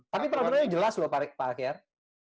tapi peraturan itu jelas lho pak akir